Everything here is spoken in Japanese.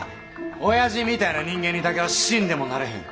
おやじみたいな人間にだけは死んでもなれへん。